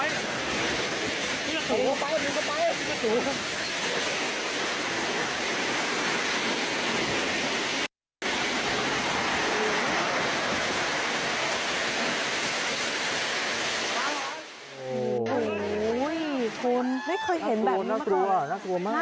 ช่างเก็บกลับไป